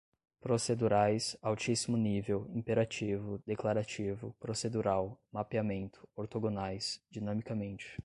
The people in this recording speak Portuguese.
procedurais, altíssimo nível, imperativo, declarativo, procedural, mapeamento, ortogonais, dinamicamente